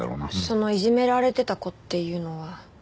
そのいじめられてた子っていうのは。